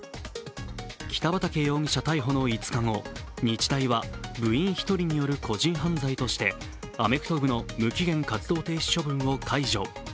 北畠容疑者逮捕の５日後、日大は部員１人による個人犯罪としてアメフト部の無期限活動停止処分を解除。